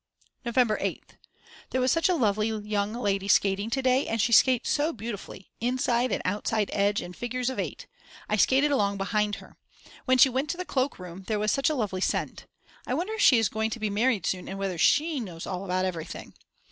November 8th. There was such a lovely young lady skating to day, and she skates so beautifully, inside and outside edge and figures of 8. I skated along behind her. When she went to the cloak room there was such a lovely scent. I wonder if she is going to be married soon and whether she knows all about everything.